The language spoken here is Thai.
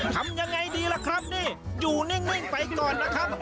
ทำยังไงดีล่ะครับนี่อยู่นิ่งไปก่อนนะครับ